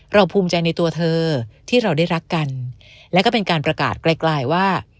ภูมิใจในตัวเธอที่เราได้รักกันและก็เป็นการประกาศไกลว่า